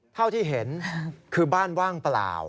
เท่าที่เห็นคือบ้านว่างเปล่า